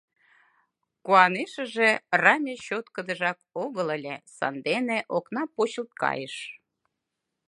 Куанешыже, раме чоткыдыжак огыл ыле, сандене окна почылт кайыш.